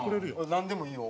なんでもいいよ。